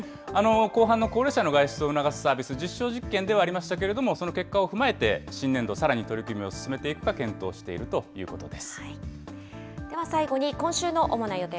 後半の高齢者の外出を促すサービス、実証実験ではありましたけれども、その結果を踏まえて、新年度さらに取り組みを進めていくかでは最後に、今週の主な予定